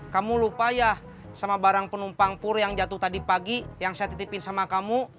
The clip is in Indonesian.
kamu lupa ya sama barang penumpang pur yang jatuh tadi pagi yang saya titipin sama kamu